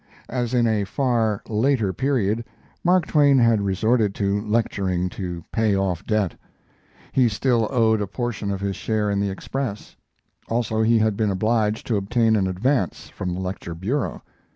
As in a far later period, Mark Twain had resorted to lecturing to pay off debt. He still owed a portion of his share in the Express; also he had been obliged to obtain an advance from the lecture bureau.